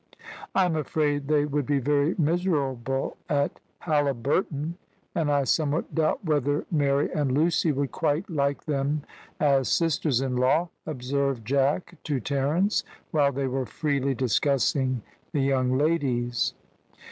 "I am afraid they would be very miserable at Halliburton, and I somewhat doubt whether Mary and Lucy would quite like them as sisters in law," observed Jack to Terence while they were freely discussing the young ladies.